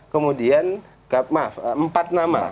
kemudian maaf empat nama